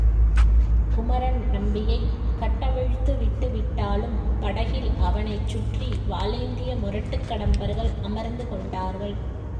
குமரன் நம்பியைக் கட்டவிழ்த்து விட்டு விட்டாலும் படகில் அவனைச் சுற்றி வாளேந்திய முரட்டுக் கடம்பர்கள் அமர்ந்து கொண்டார்கள்.